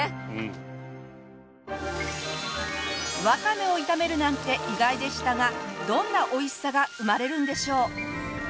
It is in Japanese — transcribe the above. ワカメを炒めるなんて意外でしたがどんなおいしさが生まれるんでしょう？